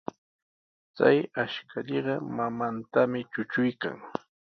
Chay ashkallaqa mamantami trutruykan.